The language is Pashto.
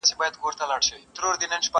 د نصیب لیدلی خوب یم، پر زندان غزل لیکمه!.